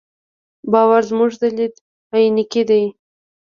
باور زموږ د لید عینکې دي.